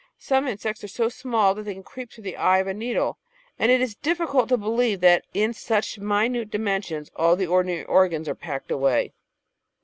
Some insects are so small that they can creep through the eye of a needle, and it is difficult to believe that in such minute dimensions all the ordinary organs are packed away.